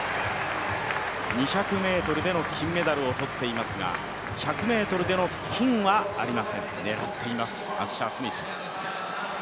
２００ｍでも金メダルを取っていますが、１００ｍの金はありません、アッシャースミス。